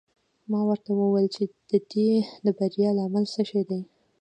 ما ورته وویل چې د دې د بریا لامل څه شی دی.